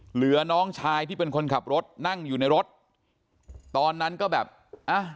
น้องชายที่เป็นคนขับรถนั่งอยู่ในรถตอนนั้นก็แบบอ่ะ